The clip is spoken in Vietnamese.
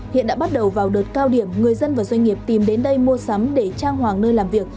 hiện đã bắt đầu vào đợt cao điểm người dân và doanh nghiệp tìm đến đây mua sắm để trang hoàng nơi làm việc